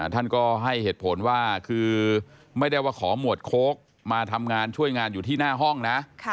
ท่านก็ให้เหตุผลว่าคือไม่ได้ว่าขอหมวดโค้กมาทำงานช่วยงานอยู่ที่หน้าห้องนะ